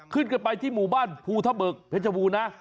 ขึ้นไปที่หมู่บ้านภูทะเบิกเพชรบูรณะ